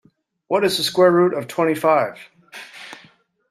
What is the square root of twenty-five?